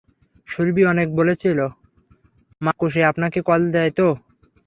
সুরভি অনেক বলেছিল মাক্কু সে আপনাকে কল দেয় তো?